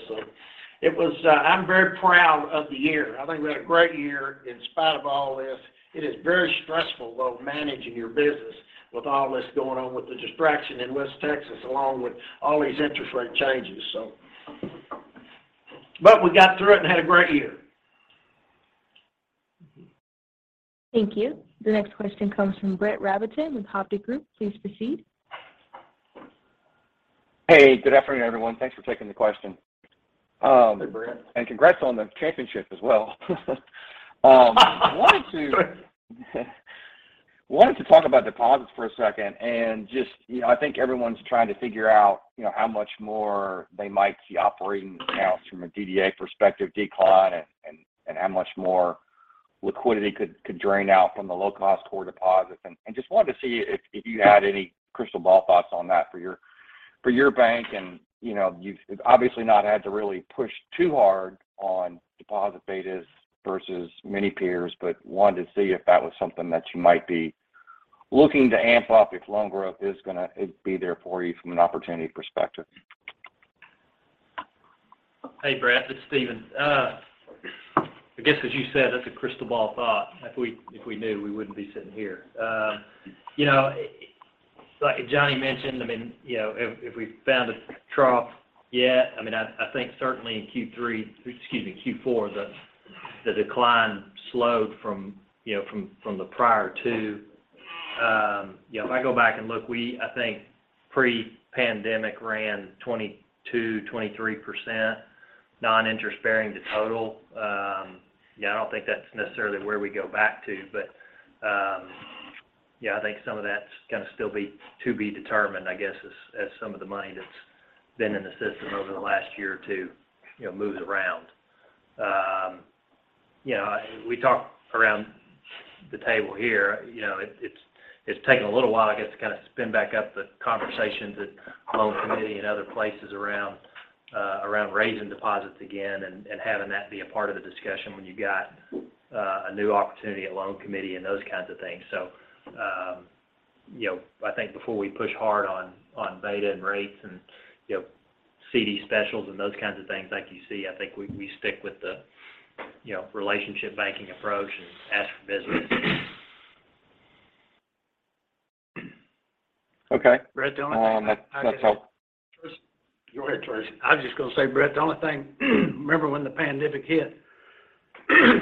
It was, I'm very proud of the year. I think we had a great year in spite of all this. It is very stressful, though, managing your business with all this going on with the distraction in West Texas, along with all these interest rate changes. We got through it and had a great year. Thank you. The next question comes from Brett Rabatin with Hovde Group. Please proceed. Hey, good afternoon, everyone. Thanks for taking the question. Hey, Brett. Congrats on the championship as well. Wanted to talk about deposits for a second and just, you know, I think everyone's trying to figure out, you know, how much more they might see operating accounts from a DDA perspective decline and how much more liquidity could drain out from the low-cost core deposits. Just wanted to see if you had any crystal ball thoughts on that for your bank. You know, you've obviously not had to really push too hard on deposit betas versus many peers, but wanted to see if that was something that you might be looking to amp up if loan growth is gonna be there for you from an opportunity perspective. Hey, Brett, it's Stephen. I guess as you said, that's a crystal ball thought. If we knew, we wouldn't be sitting here. you know, like Johnny mentioned, I mean, you know, if we found a trough yet, I mean, I think certainly in Q four, the decline slowed from the prior two. you know, if I go back and look, we, I think pre-pandemic ran 22%-23% non-interest bearing to total. yeah, I don't think that's necessarily where we go back to. yeah, I think some of that's gonna still be to be determined, I guess, as some of the money that's been in the system over the last year or two, you know, moves around. You know, we talk around the table here, you know, it's, it's taken a little while, I guess, to kind of spin back up the conversations at loan committee and other places around raising deposits again and having that be a part of the discussion when you've got a new opportunity at loan committee and those kinds of things. You know, I think before we push hard on beta and rates and, you know, CD specials and those kinds of things like you see, I think we stick with the, you know, relationship banking approach and ask for business. Okay. That's helpful. Go ahead, Tracy. I was just gonna say, Brett, the only thing, remember when the pandemic hit,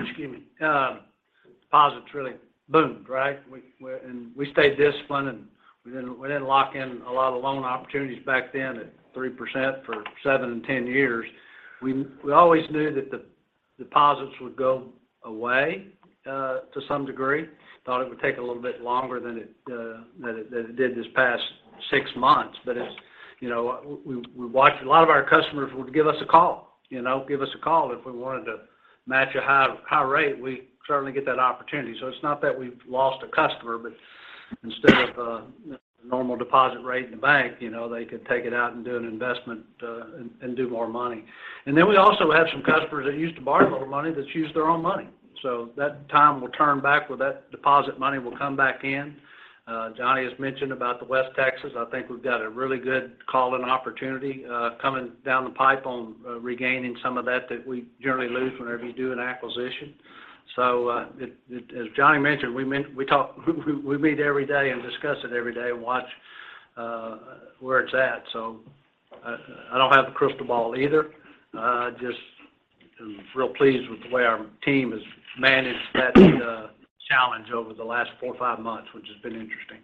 excuse me, deposits really boomed, right? We stayed disciplined, and we didn't lock in a lot of loan opportunities back then at 3% for seven and 10 years. We always knew that the deposits would go away, to some degree. Thought it would take a little bit longer than it did this past six months. It's, you know, we watched. A lot of our customers would give us a call. You know, give us a call if we wanted to match a high rate. We certainly get that opportunity. It's not that we've lost a customer, but instead of normal deposit rate in the bank, you know, they could take it out and do an investment and do more money. Then we also have some customers that used to borrow a little money that's used their own money. That time will turn back where that deposit money will come back in. Johnny has mentioned about the West Texas. I think we've got a really good call-in opportunity coming down the pipe on regaining some of that that we generally lose whenever you do an acquisition. As Johnny mentioned, we meet every day and discuss it every day, watch where it's at. I don't have a crystal ball either. Just real pleased with the way our team has managed that challenge over the last four or five months, which has been interesting.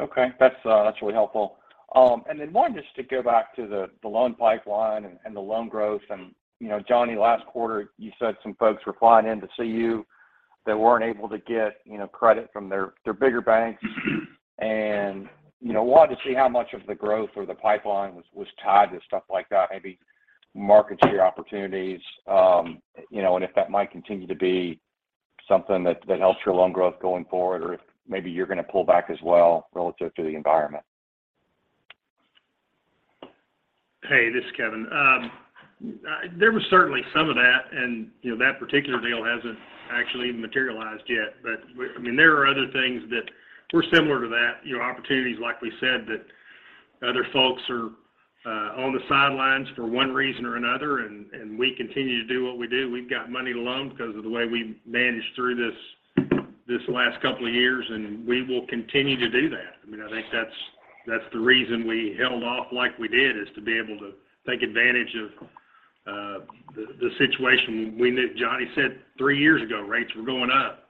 Okay. That's, that's really helpful. Then one, just to go back to the loan pipeline and the loan growth, and, you know, Johnny, last quarter, you said some folks were flying in to see you that weren't able to get, you know, credit from their bigger banks and, you know, wanted to see how much of the growth or the pipeline was tied to stuff like that, maybe market share opportunities, you know, and if that might continue to be something that helps your loan growth going forward, or if maybe you're gonna pull back as well relative to the environment? Hey, this is Kevin. There was certainly some of that, and, you know, that particular deal hasn't actually materialized yet. I mean, there are other things that were similar to that, you know, opportunities like we said, that other folks are on the sidelines for one reason or another, and we continue to do what we do. We've got money to loan because of the way we managed through this last couple of years, and we will continue to do that. I mean, I think that's the reason we held off like we did, is to be able to take advantage of the situation. We knew Johnny said three years ago rates were going up.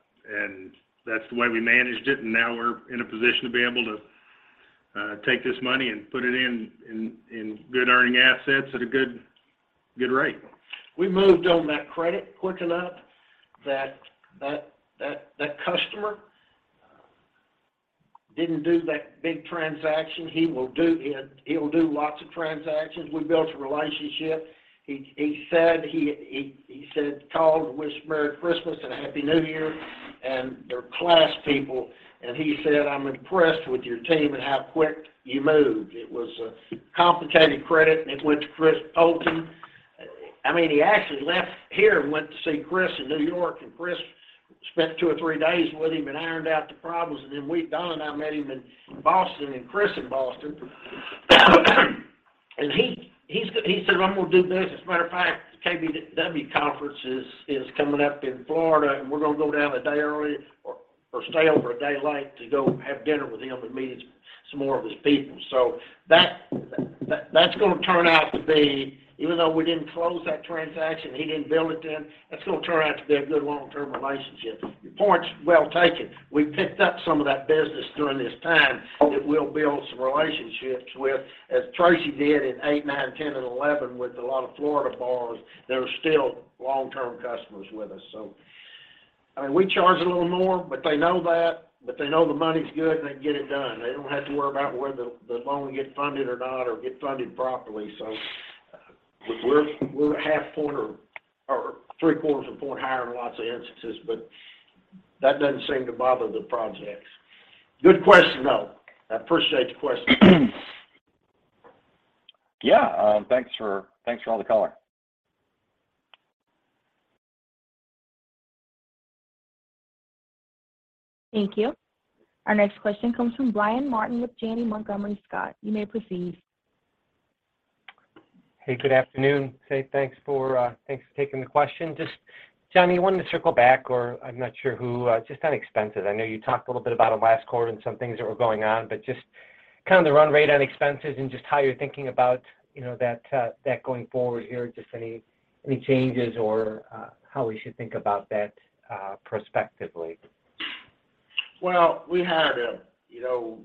That's the way we managed it. Now we're in a position to be able to take this money and put it in good earning assets at a good rate. We moved on that credit quick enough that customer didn't do that big transaction. He will do it. He'll do lots of transactions. We built a relationship. He said called to wish Merry Christmas and a Happy New Year, they're class people. He said, "I'm impressed with your team and how quick you moved." It was a complicated credit. It went to Chris Poulton. I mean, he actually left here and went to see Chris in New York. Chris spent two or three days with him and ironed out the problems. Don and I met him in Boston, and Chris in Boston. He said, "I'm gonna do business." Matter of fact, KBW Conference is coming up in Florida, and we're gonna go down a day early or stay over a day late to go have dinner with him and meet some more of his people. That's gonna turn out to be, even though we didn't close that transaction, he didn't bill it then, that's gonna turn out to be a good long-term relationship. Your point's well taken. We've picked up some of that business during this time that we'll build some relationships with, as Tracy did in 2008, 2009, 2010, and 2011 with a lot of Florida bars that are still long-term customers with us. I mean, we charge a little more, but they know that, but they know the money's good, and they can get it done. They don't have to worry about whether the loan will get funded or not or get funded properly. We're a half point or three-quarters of a point higher in lots of instances, but that doesn't seem to bother the projects. Good question, though. I appreciate the question. Yeah. Thanks for all the color. Thank you. Our next question comes from Brian Martin with Janney Montgomery Scott. You may proceed. Hey, good afternoon. Hey, thanks for taking the question. Just, Johnny, wanted to circle back, or I'm not sure who, just on expenses. I know you talked a little bit about them last quarter and some things that were going on, but just kind of the run rate on expenses and just how you're thinking about, you know, that going forward here. Just any changes or how we should think about that prospectively. Well, we had a, you know,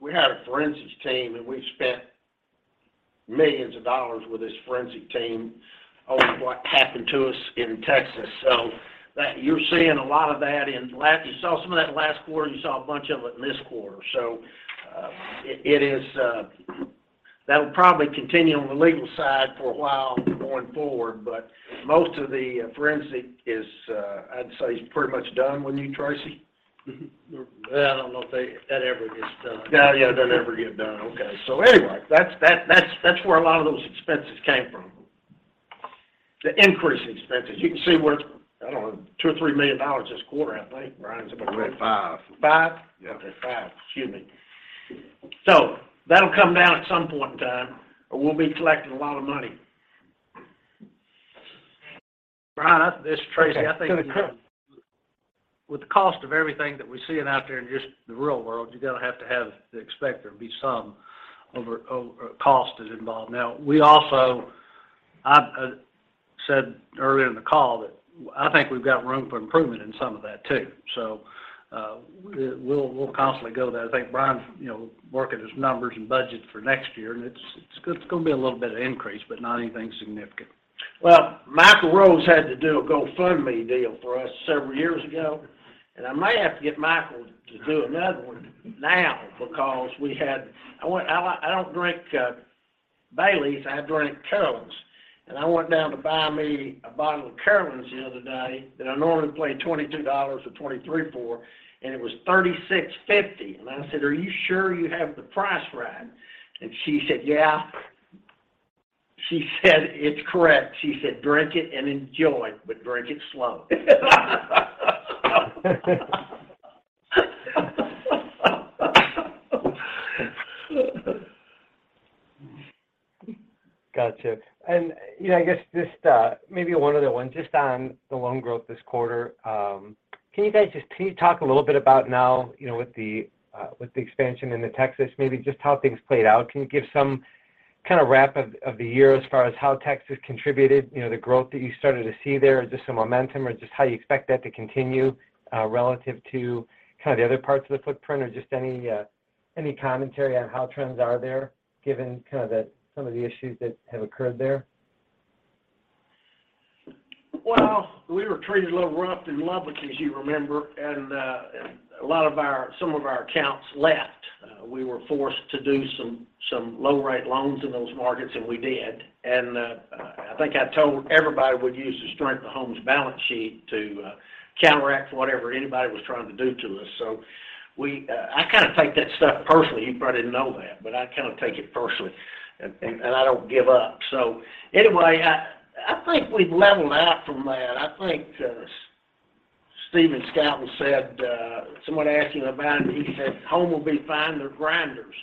we had a forensics team, and we spent millions of dollars with this forensic team on what happened to us in Texas. You're seeing a lot of that. You saw some of that last quarter, and you saw a bunch of it in this quarter. It is that'll probably continue on the legal side for a while going forward, but most of the forensic is, I'd say is pretty much done. Wouldn't you, Tracy? Well, I don't know if that ever gets done. Yeah. It doesn't ever get done. Okay. Anyway, that's where a lot of those expenses came from, the increased expenses. You can see we're, I don't know, $2 million or $3 million this quarter, I think, Brian, is that right? Around five. Five? Yeah. Okay, five. Excuse me. That'll come down at some point in time, but we'll be collecting a lot of money. Brian, this is Tracy. Okay, go ahead, Tracy. I think with the cost of everything that we're seeing out there in just the real world, you're gonna have to expect there to be some over cost is involved. We also I said earlier in the call that I think we've got room for improvement in some of that too. We'll constantly go there. I think Brian's, you know, working his numbers and budget for next year, and it's gonna be a little bit of increase, but not anything significant. Well, Michael Rose had to do a GoFundMe deal for us several years ago. I may have to get Michael to do another one now because I don't drink Baileys, I drink Carolans. I went down to buy me a bottle of Carolans the other day that I normally pay $22 or $23 for, and it was $36.50. I said, "Are you sure you have the price right?" She said, "Yeah." She said, "It's correct." She said, "Drink it and enjoy, but drink it slow. Gotcha. you know, I guess just maybe one other one just on the loan growth this quarter. Can you talk a little bit about now, you know, with the expansion into Texas, maybe just how things played out? Can you give some kind of wrap of the year as far as how Texas contributed, you know, the growth that you started to see there, just some momentum or just how you expect that to continue relative to kind of the other parts of the footprint or just any commentary on how trends are there given kind of some of the issues that have occurred there? Well, we were treated a little rough in Lubbock, as you remember, some of our accounts left. We were forced to do some low rate loans in those markets, we did. I think I told everybody we'd use the strength of Home's balance sheet to counteract whatever anybody was trying to do to us. I kinda take that stuff personally. You probably didn't know that, I kinda take it personally, and I don't give up. Anyway, I think we've leveled out from that. I think Stephen Scouten said someone asked him about it, he said Home will be fine. They're grinders,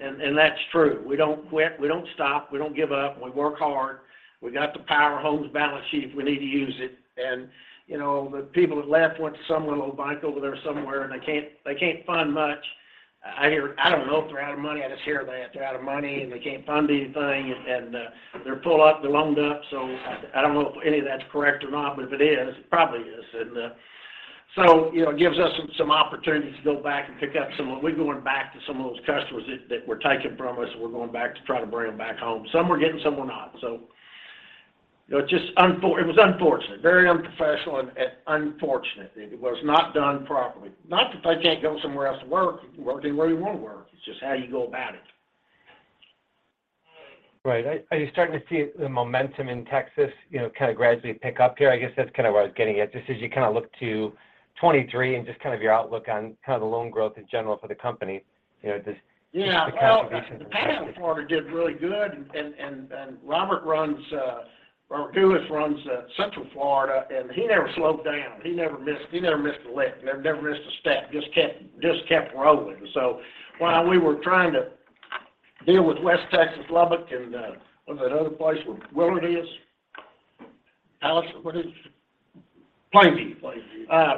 and that's true. We don't quit. We don't stop. We don't give up. We work hard. We got the power. Home's balance sheet, if we need to use it. You know, the people that left went to some little bank over there somewhere, and they can't fund much. I don't know if they're out of money. I just hear they're out of money, and they can't fund anything, and they're pulled up. They're loaned up. I don't know if any of that's correct or not, but if it is, it probably is. You know, it gives us some opportunities to go back and pick up some of those customers that were taken from us. We're going back to try to bring them back home. Some we're getting, some we're not. You know, it's just it was unfortunate, very unprofessional and unfortunate. It was not done properly. Not that they can't go somewhere else to work. You can work anywhere you want to work. It's just how you go about it. Right. Are you starting to see the momentum in Texas, you know, kind of gradually pick up here? I guess that's kind of where I was getting at. Just as you kind of look to 2023 and just kind of your outlook on kind of the loan growth in general for the company, you know, just the conversations- Yeah. Well, the bank in Florida did really good. Robert runs or Lewis runs Central Florida, he never slowed down. He never missed a lick. Never missed a step. Just kept rolling. While we were trying to deal with West Texas, Lubbock, and what was that other place where Willard is? Allison, what is it? Plainview. Plainview.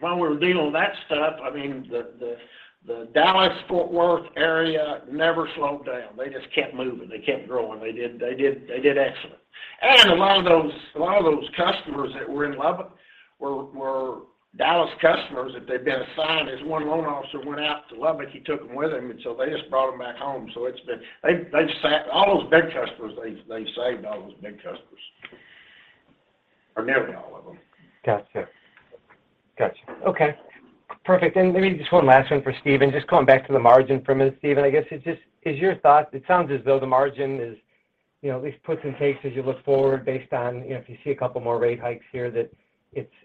While we were dealing with that stuff, I mean, the Dallas-Fort Worth area never slowed down. They just kept moving. They kept growing. They did excellent. A lot of those customers that were in Lubbock were Dallas customers that they'd been assigned, as one loan officer went out to Lubbock, he took them with him, they just brought them back home. It's been. They saved all those big customers, or nearly all of them. Gotcha. Gotcha. Okay, perfect. Maybe just one last one for Stephen. Just going back to the margin for a minute, Stephen. I guess it just, is your thought, it sounds as though the margin is, you know, at least puts and takes as you look forward based on, you know, if you see a couple more rate hikes here that it's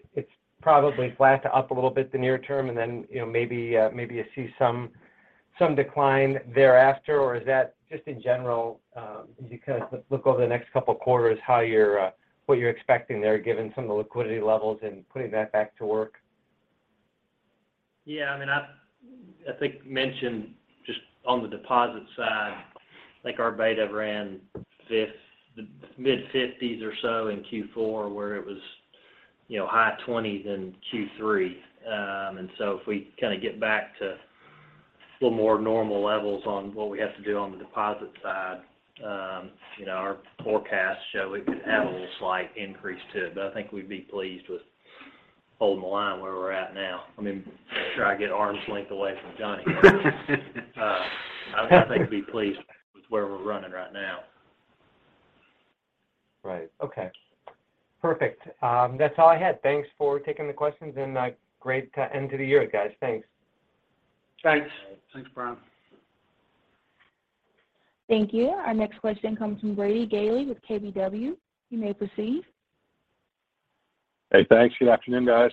probably flat to up a little bit the near term and then, you know, maybe you see some decline thereafter, or is that just in general, as you kind of look over the next couple quarters, how you're what you're expecting there given some of the liquidity levels and putting that back to work? Yeah. I mean, I've, I think mentioned just on the deposit side, I think our beta ran the mid-50s or so in Q4 where it was, you know, high 20s in Q3. If we kinda get back to a little more normal levels on what we have to do on the deposit side, you know, our forecasts show we could have a little slight increase too, but I think we'd be pleased with holding the line where we're at now. I mean, make sure I get arm's length away from Johnny. I think we'd be pleased with where we're running right now. Right. Okay. Perfect. That's all I had. Thanks for taking the questions. A great end to the year, guys. Thanks. Thanks. Thanks, Brian. Thank you. Our next question comes from Brady Gailey with KBW. You may proceed. Hey, thanks. Good afternoon, guys.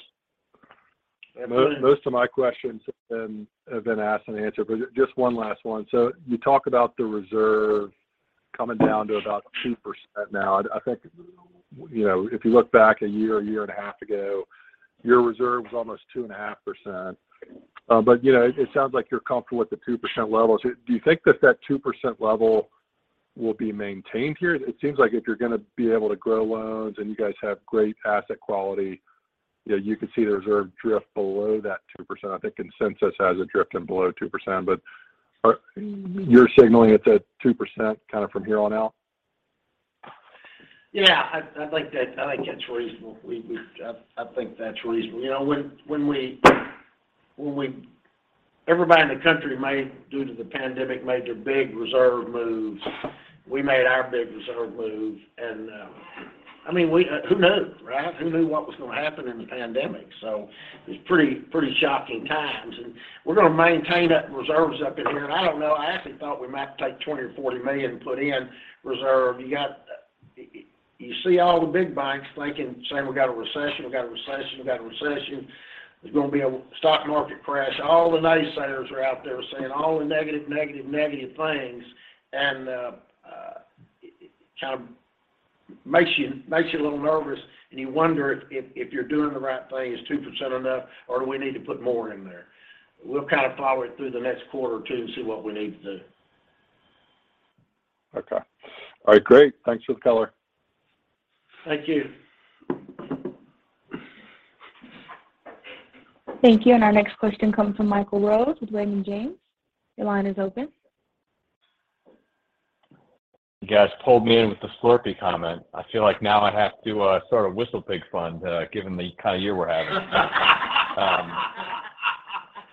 Good afternoon. Most of my questions have been asked and answered, but just one last one. You talk about the reserve coming down to about 2% now. I think, you know, if you look back a year, a year and a half ago, your reserve was almost 2.5%. You know, it sounds like you're comfortable with the 2% levels. Do you think that that 2% level will be maintained here? It seems like if you're gonna be able to grow loans and you guys have great asset quality, you know, you could see the reserve drift below that 2%. I think consensus has it drifting below 2%, but you're signaling it's at 2% kind of from here on out? Yeah. I'd like that. I think that's reasonable. I think that's reasonable. You know, Everybody in the country made, due to the pandemic, made the big reserve moves. We made our big reserve move and, I mean, Who knew, right? Who knew what was gonna happen in the pandemic? It was pretty shocking times. We're gonna maintain that reserves up in here. I don't know, I actually thought we might take $20 million or $40 million and put in reserve. You see all the big banks thinking, saying, "We got a recession, we got a recession, we got a recession. There's gonna be a stock market crash." All the naysayers are out there saying all the negative, negative things. It kind of makes you a little nervous, and you wonder if you're doing the right thing. Is 2% enough, or do we need to put more in there? We'll kind of plow it through the next quarter or two and see what we need to do. Okay. All right, great. Thanks for the color. Thank you. Thank you. Our next question comes from Michael Rose with Raymond James. Your line is open. You guys pulled me in with the Slurpee comment. I feel like now I have to start a WhistlePig fund given the kind of year we're having. Hey,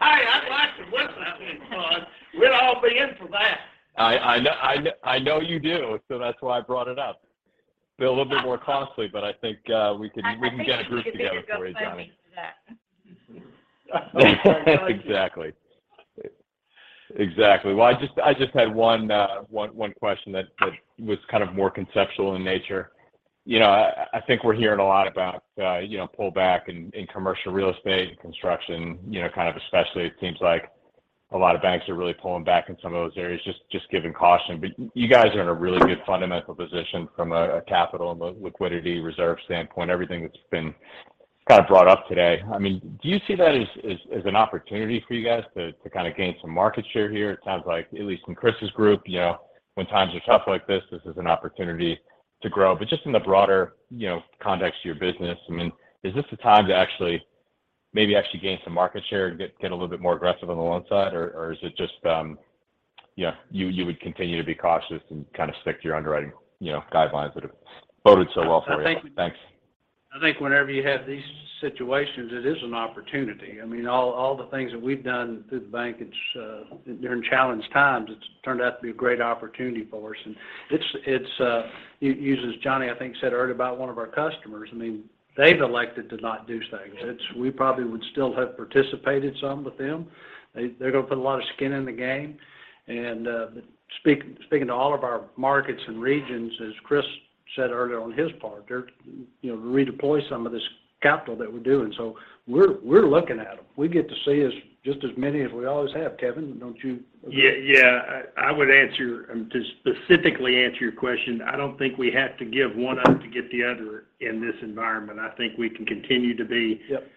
I'd like the WhistlePig fund. We'd all be in for that. I know you do, that's why I brought it up. It'd be a little bit more costly, I think we can get a group together for you, Johnny. I think we could make a good planning for that. Exactly. Exactly. I just had one question that was kind of more conceptual in nature. You know, I think we're hearing a lot about, you know, pullback in commercial real estate and construction, you know, kind of especially it seems like a lot of banks are really pulling back in some of those areas just given caution. You guys are in a really good fundamental position from a capital and liquidity reserve standpoint, everything that's been kind of brought up today. I mean, do you see that as an opportunity for you guys to kind of gain some market share here? It sounds like at least in Chris's group, you know, when times are tough like this is an opportunity to grow. Just in the broader, you know, context of your business, I mean, is this the time to actually, maybe actually gain some market share and get a little bit more aggressive on the loan side? Or is it just, you know, you would continue to be cautious and kind of stick to your underwriting, you know, guidelines that have boded so well for you? Thanks. I think whenever you have these situations, it is an opportunity. I mean, all the things that we've done through the bank, it's during challenged times, it's turned out to be a great opportunity for us. It's uses Johnny I think said earlier about one of our customers. I mean, they've elected to not do things. We probably would still have participated some with them. They're gonna put a lot of skin in the game. Speaking to all of our markets and regions, as Chris said earlier on his part, they're, you know, redeploy some of this capital that we're doing. We're looking at them. We get to see just as many as we always have. Kevin, don't you agree? Yeah. Yeah. I would answer, to specifically answer your question, I don't think we have to give one up to get the other in this environment. I think we can continue. Yep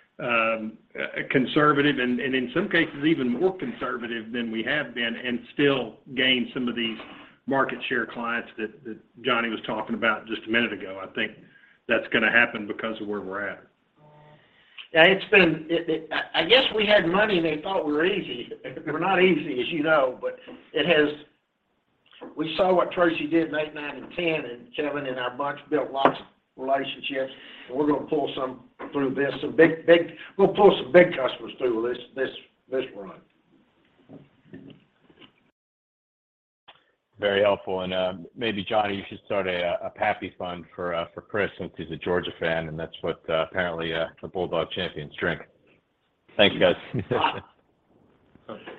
Conservative and in some cases even more conservative than we have been and still gain some of these market share clients that Johnny was talking about just a minute ago. I think that's gonna happen because of where we're at. Yeah, it's been... I guess we had money and they thought we were easy. We're not easy, as you know, but it has. We saw what Tracy did in 2008, 2009, and 2010, and Kevin and our bunch built lots of relationships, and we're gonna pull some through this. Some big... We'll pull some big customers through with this run. Very helpful. Maybe Johnny, you should start a Pappy fund for Chris since he's a Georgia fund, and that's what apparently the Bulldog Champions drink. Thank you, guys.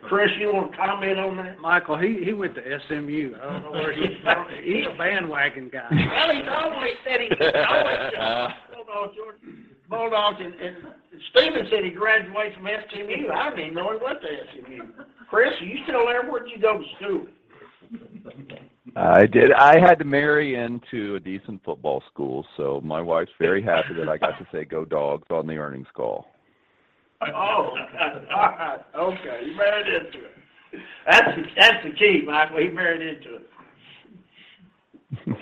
Chris, you want to comment on that? Michael, he went to SMU. I don't know where he's from. He's a bandwagon guy. Well, he's always said he's always said he likes the Bulldogs, Georgia Bulldogs. Steven said he graduated from SMU. I didn't even know he went to SMU. Chris, are you still there? Where'd you go to school? I did. I had to marry into a decent football school, so my wife's very happy that I got to say, "Go Dogs," on the earnings call. Oh. Okay. You married into it. That's the key, Michael. He married into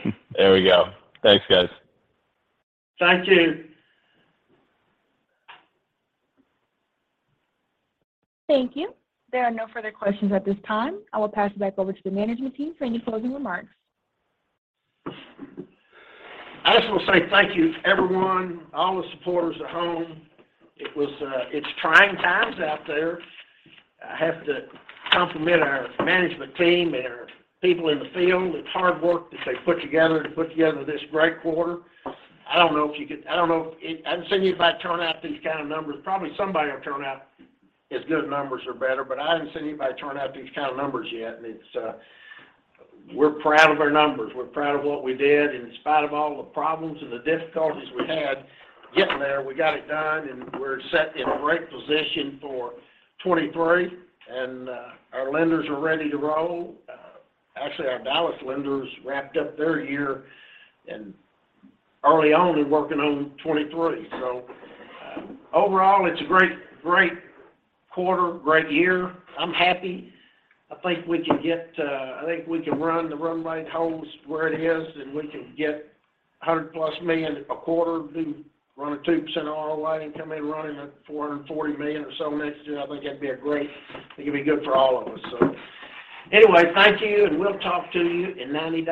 it. There we go. Thanks, guys. Thank you. Thank you. There are no further questions at this time. I will pass it back over to the management team for any closing remarks. I just want to say thank you to everyone, all the supporters at home. It was, it's trying times out there. I have to compliment our management team and our people in the field. It's hard work that they put together to put together this great quarter. I haven't seen anybody turn out these kind of numbers. Probably somebody will turn out as good numbers or better, but I haven't seen anybody turn out these kind of numbers yet. It's, we're proud of our numbers. We're proud of what we did. In spite of all the problems and the difficulties we had getting there, we got it done, and we're set in great position for 23. Our lenders are ready to roll. Actually, our Dallas lenders wrapped up their year and early on and working on 2023. Overall, it's a great quarter, great year. I'm happy. I think we can get, I think we can run the run rate holds where it is, and we can get +$100 million a quarter to run a 2% auto loan and come in running at $440 million or something next year. I think that'd be great. It'd be good for all of us. Anyway, thank you, and we'll talk to you in 90 days.